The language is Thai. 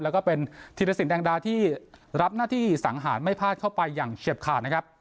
แล้วก็เป็นธีรสินแดงดาที่รับหน้าที่สังหารไม่พลาดเข้าไปอย่างเฉียบขาดนะครับ